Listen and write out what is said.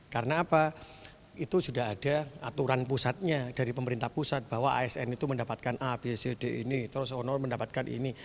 karena apa itu sudah ada aturan pusatnya dari pemerintah pusat bahwa asn itu mendapatkan a b c d ini terus onor mendapatkan ini